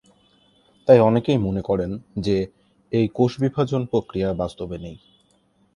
তাই অনেকে মনে করেন যে এই কোষ বিভাজন প্রক্রিয়া বাস্তবে নেই।